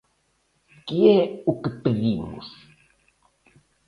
¿Que é o que pedimos?